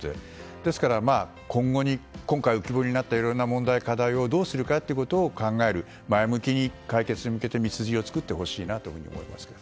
ですから、今回浮き彫りになったいろいろな問題、課題を考える、前向きに解決に向けて道筋を作ってほしいなと思います。